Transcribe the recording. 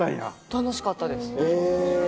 楽しかったです。